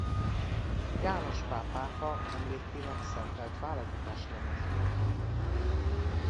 János Pál pápa emlékének szentelt válogatáslemez volt.